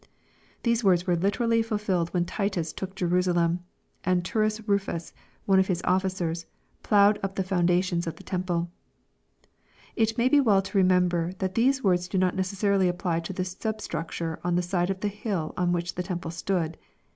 ] These words were literally fulfilled when Titus took Jerusalem, and Turrus Rufus, one of hia oflClcers, ploughed up the foundations of the temple. It may be well to remember, that these words do not necessa rily apply to the substructure on the side of the hill on which the temple stood.